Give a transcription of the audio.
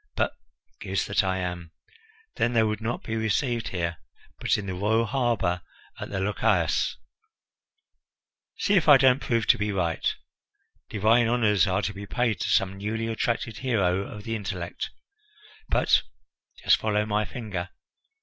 But goose that I am! then they would not be received here, but in the royal harbour at the Lochias. See if I don't prove to be right! Divine honours are to be paid to some newly attracted hero of the intellect. But just follow my finger!